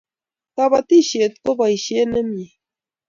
kapatishet ko poishet nemie